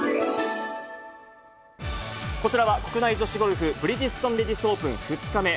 こちらは国内女子ゴルフ、ブリヂストンレディスオープン２日目。